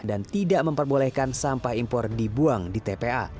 dan tidak memperbolehkan sampah impor dibuang di tpa